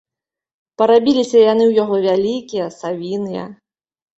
Парабіліся яны ў яго вялікія, савіныя.